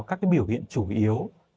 các biểu hiện chủ yếu